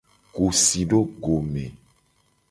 Ku si do go me.